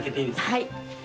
はい。